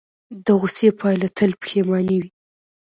د غوسې پایله تل پښیماني وي.